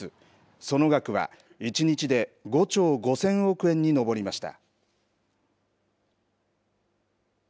その額は、１日で５兆５０００億円に上りました。